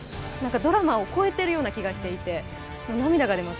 ドラマを超えてるような気がして、涙が出ます。